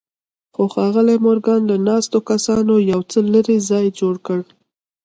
خو ښاغلي مورګان له ناستو کسانو یو څه لرې ځای جوړ کړ